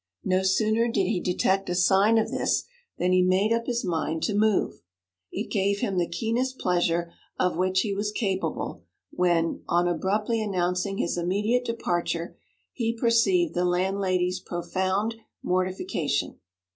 No sooner did he detect a sign of this than he made up his mind to move. It gave him the keenest pleasure of which he was capable when, on abruptly announcing his immediate departure, he perceived the landlady's profound mortification.